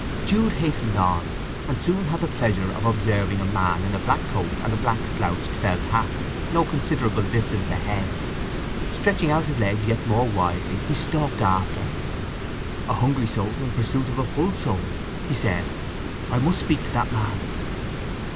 Jude hastened on, and soon had the pleasure of observing a man in a black coat and a black slouched felt hat no considerable distance ahead. Stretching out his legs yet more widely, he stalked after. "A hungry soul in pursuit of a full soul!" he said. "I must speak to that man!"